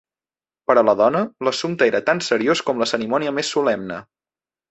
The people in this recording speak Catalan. Per a la dona, l'assumpte era tan seriós com la cerimònia més solemne.